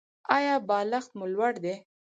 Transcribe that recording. ایا بالښت مو لوړ دی؟